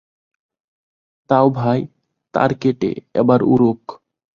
দাও ভাই, তার কেটে, একবার উড়ুক।